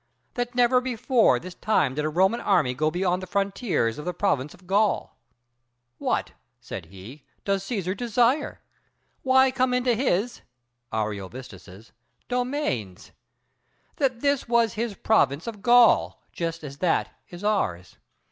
That never before this time did a Roman army go beyond the frontiers of the province of Gaul. What, said he, does Cæsar desire? why come into his [Ariovistus's] domains? that this was his province of Gaul, just as that is ours.